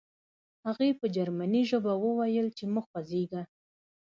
هغې په جرمني ژبه وویل چې مه خوځېږه